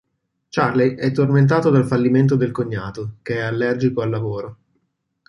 Charley è tormentato dal fallimento e dal cognato, che è allergico al lavoro.